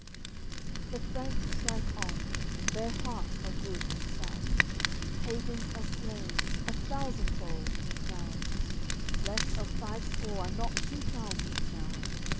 CXI The Franks strike on; their hearts are good and stout. Pagans are slain, a thousandfold, in crowds, Left of five score are not two thousands now.